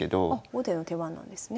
後手の手番なんですね。